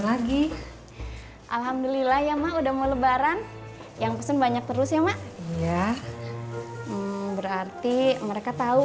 lagi alhamdulillah ya mak udah mau lebaran yang pesen banyak terus ya mak ya berarti mereka tahu